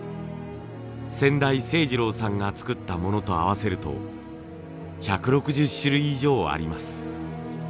先代晴二郎さんが作ったものと合わせると１６０種類以上あります。